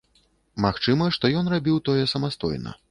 Магчыма, што ён рабіў тое самастойна.